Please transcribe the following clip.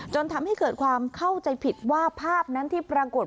จนทำให้เกิดความเข้าใจผิดว่าภาพนั้นที่ปรากฏ